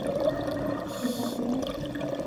嘉庆三年主讲于明月里云峰书院。